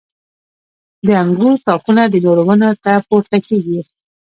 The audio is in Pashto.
• د انګورو تاکونه د نورو ونو ته پورته کېږي.